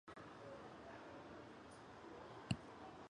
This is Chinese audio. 咸北线